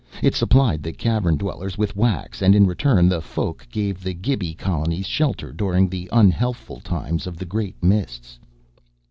It supplied the cavern dwellers with wax, and in return the Folk gave the Gibi colonies shelter during the unhealthful times of the Great Mists.